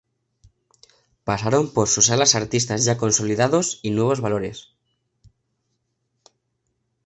Pasaron por sus salas artistas ya consolidados y nuevos valores.